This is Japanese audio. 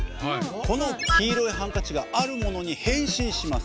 このきいろいハンカチがあるものに変身します。